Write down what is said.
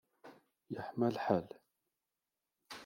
Yeḥma lḥal.